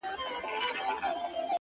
څوک به نو څه رنګه اقبا وویني _